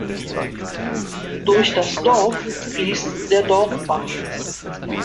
Durch das Dorf fliesst der "Dorfbach".